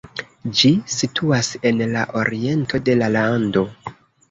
Ĝi situas en la oriento de la lando.